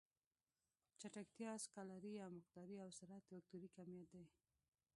چټکتیا سکالري يا مقداري او سرعت وکتوري کميت دی.